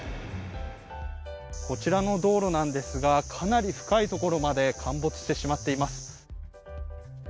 こちらの道路なんですがかなり深いところまで陥没してしまっています。